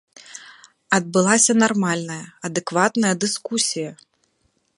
Адбылася нармальная, адэкватная дыскусія!